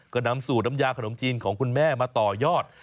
ก็นำสูตรน้ำยาขนมจีนของคุณแม่มาต่อยอด